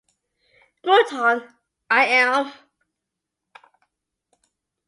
Mouton I am.